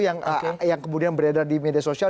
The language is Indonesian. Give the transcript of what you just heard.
yang kemudian beredar di media sosial